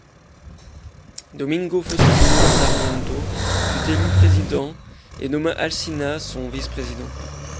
Domingo Faustino Sarmiento fut élu président, et nomma Alsina son vice-président.